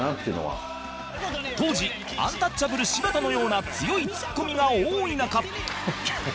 その時当時アンタッチャブル柴田のような強いツッコミが多い中